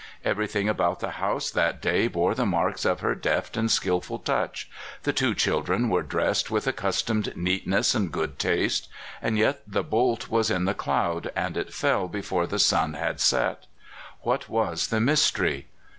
Everything about the house that day bore the marks of her deft and skillful touch. The two children were dressed with accustomed neatness and good taste. And yet the bolt was in the cloud, and it fell before the sun had set! What was the mystery?